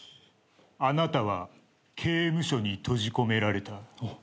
「あなたは刑務所に閉じ込められた」